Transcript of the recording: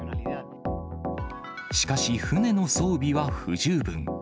しかし、船の装備は不十分。